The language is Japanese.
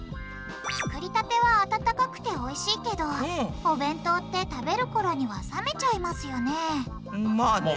作りたては温かくておいしいけどお弁当って食べるころには冷めちゃいますよねまあね。